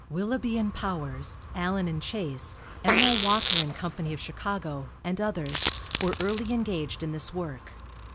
Willoughby & Powers, Allen & Chase, M. O. Walker & Company of Chicago, and others, were early engaged in this work.